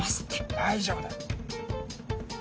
大丈夫だ。